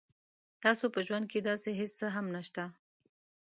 تاسو په ژوند کې داسې هیڅ څه هم نشته